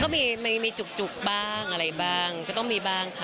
ก็มีจุกบ้างอะไรบ้างก็ต้องมีบ้างค่ะ